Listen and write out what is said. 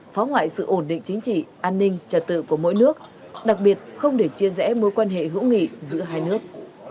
phá hoại sự ổn định chính trị an ninh trật tự của mỗi nước đặc biệt không để chia rẽ mối quan hệ hữu nghị giữa hai nước